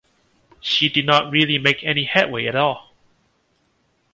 She did not really make any headway at all.